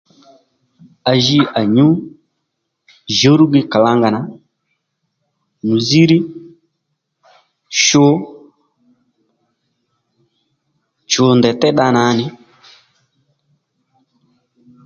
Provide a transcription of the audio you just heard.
À ji à nyǔ jùwrúgi kalanga na, muzírí, shǔ, chù ndèy te dda nǎ nì